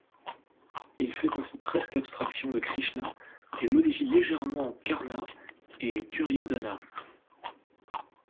Il fait ainsi presque abstraction de Krishna et modifie légèrement Karna et Duryodhana.